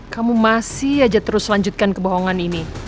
kamu masih aja terus lanjutkan kebohongan ini